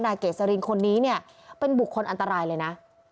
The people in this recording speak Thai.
เกษรินคนนี้เนี่ยเป็นบุคคลอันตรายเลยนะ